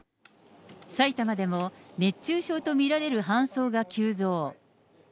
埼玉でも、熱中症と見られる搬送が急増。